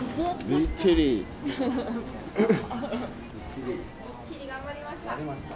みっちり頑張りました。